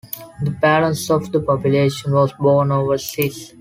The balance of the population was born overseas.